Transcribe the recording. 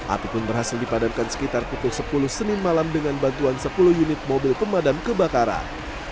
api pun berhasil dipadamkan sekitar pukul sepuluh senin malam dengan bantuan sepuluh unit mobil pemadam kebakaran